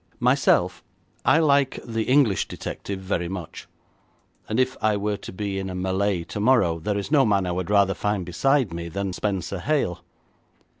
Myself, I like the English detective very much, and if I were to be in a mêlée tomorrow, there is no man I would rather find beside me than Spenser Hale.